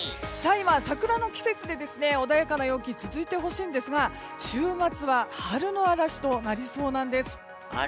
今、桜の季節で穏やかな陽気が続いてほしいんですが週末は春の嵐となりそうなんです。